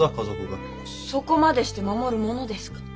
そこまでして守るものですか？